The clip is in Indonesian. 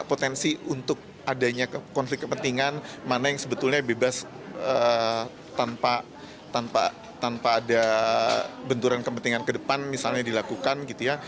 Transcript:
potensi untuk adanya konflik kepentingan mana yang sebetulnya bebas tanpa ada benturan kepentingan ke depan misalnya dilakukan gitu ya